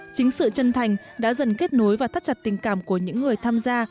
chính sự chân thành đã dần kết nối và thắt chặt tình cảm của những người tham gia